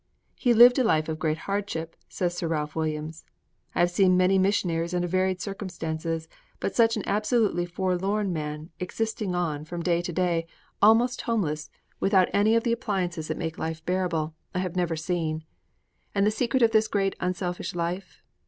'He lived a life of great hardship,' says Sir Ralph Williams; 'I have seen many missionaries under varied circumstances, but such an absolutely forlorn man, existing on from day to day, almost homeless, without any of the appliances that make life bearable, I have never seen.' And the secret of this great unselfish life?